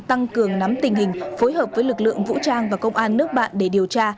tăng cường nắm tình hình phối hợp với lực lượng vũ trang và công an nước bạn để điều tra